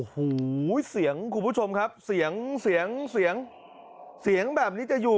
หู๋เซียงกูผู้ชมครับเซียงเซียงเซียงเซียงแบบนี้จะอยู่